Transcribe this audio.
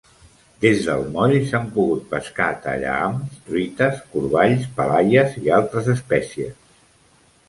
Des del moll s'han pogut pescar tallahams, truites, corballs, palaies i altres espècies.